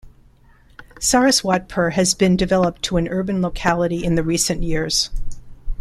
Saraswatpur has been developed to an urban locality in the recent years.